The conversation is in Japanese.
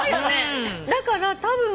だからたぶん。